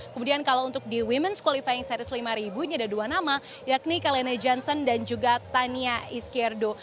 kemudian kalau untuk di women s qualifying series lima ribu ini ada dua nama yakni kalene jansen dan juga tania iskierdo